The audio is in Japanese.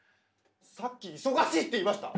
さっき「忙しい」って言いました？